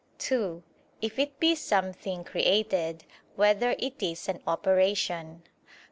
(2) If it be something created, whether it is an operation?